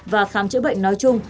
và khám chữa bệnh nói chung